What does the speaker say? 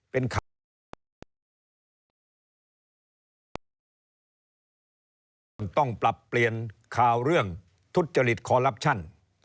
ต้องปรับเปลี่ยนข่าวเรื่องทุจริตคอลลัปชั่น